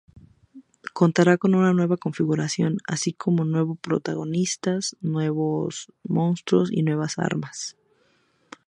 Contará con una nueva configuración, así como nuevo protagonista, nuevos monstruos y nuevas armas.